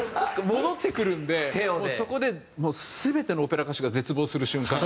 戻ってくるんでもうそこで全てのオペラ歌手が絶望する瞬間が。